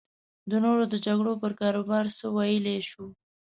د نورو د جګړو پر کاروبار څه ویلی شو.